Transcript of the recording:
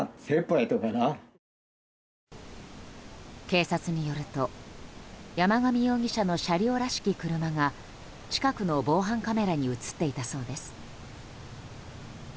警察によると山上容疑者の車両らしき車が近くの防犯カメラに映っていたそうです。